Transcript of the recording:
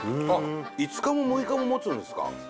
５日も６日も持つんですか。